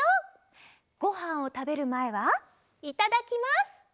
ごはんをたべるまえはいただきます！